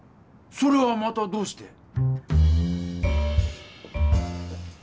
それはまたどうして？